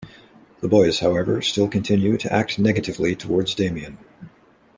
The boys, however, still continue to act negatively towards Damien.